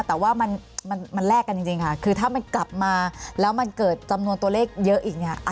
แต่ว่ามันแลกกันจริงค่ะคือถ้ามันกลับมาแล้วมันเกิดจำนวนตัวเลขเยอะอีกเนี่ย